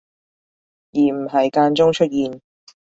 而唔係間中出現